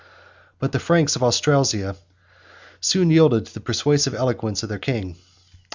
But the Franks of Austrasia soon yielded to the persuasive eloquence of their king.